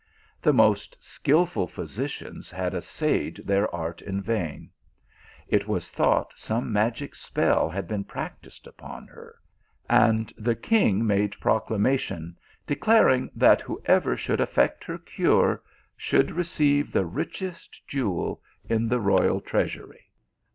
The most skilful physicians had essayed their art in vain ; it was thought some magic spell had been practised upon her, and the king made proclamation, declar ing that whoever should effect her cure, should receive the richest jewel in the royal treasury.